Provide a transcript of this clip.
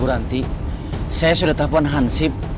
saya sudah telfon hansip